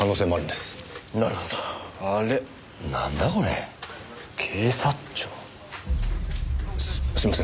すいません。